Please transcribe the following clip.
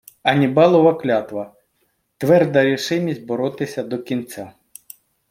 Аннібалова клятва — тверда рішимість боротися до кінця